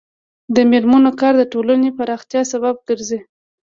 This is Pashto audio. د میرمنو کار د ټولنې پراختیا سبب ګرځي.